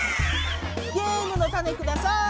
ゲームのタネください！